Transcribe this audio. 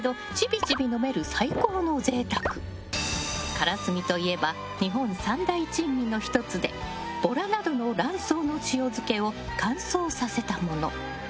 からすみといえば日本三大珍味の１つでボラなどの卵巣の塩漬けを乾燥させたもの。